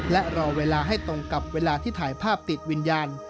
และรอเวลาให้ตรงกับเวลาที่ถ่ายภาพติดวิญญาณ